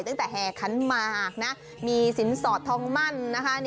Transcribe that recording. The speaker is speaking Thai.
ตั้งแต่แห่ขันหมากนะมีสินสอดทองมั่นนะคะ